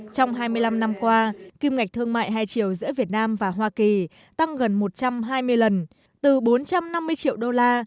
trong hai mươi năm năm qua kim ngạch thương mại hai triệu giữa việt nam và hoa kỳ tăng gần một trăm hai mươi lần từ bốn trăm năm mươi triệu đô la